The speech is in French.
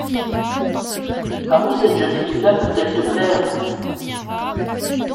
Par où cette jeune fille-là peut-elle te plaire ?